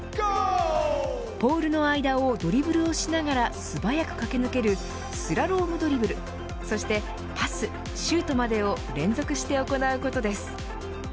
ポールの間をドリブルしながら素早く駆け抜けるスラロームドリブルそしてパス、シュートまでを連続して行うことです。